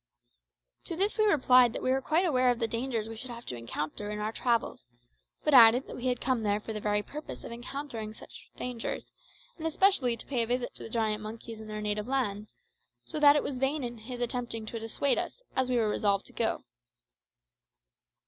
To this we replied that we were quite aware of the dangers we should have to encounter in our travels, but added that we had come there for the very purpose of encountering such dangers, and especially to pay a visit to the giant monkeys in their native land, so that it was in vain his attempting to dissuade us, as we were resolved to go.